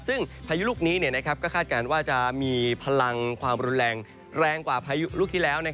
ซึ่งพายุลูกนี้ก็คาดการณ์ว่าจะมีพลังความรุนแรงแรงกว่าพายุลูกที่แล้ว